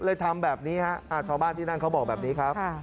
ทำแบบนี้ฮะชาวบ้านที่นั่นเขาบอกแบบนี้ครับ